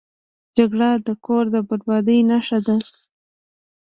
جګړه د کور د بربادۍ نښه ده